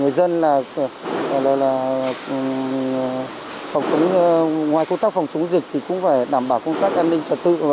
người dân ngoài công tác phòng chống dịch thì cũng phải đảm bảo công tác an ninh trật tự